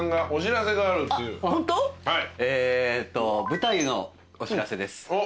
舞台のお知らせです。